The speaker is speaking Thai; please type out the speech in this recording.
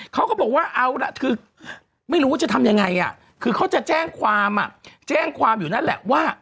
เขาก็บอกว่าเอาล่ะคือไม่รู้ว่าจะทำยังไงคือเขาจะแจ้งความแจ้งความอยู่นั่นแหละว่า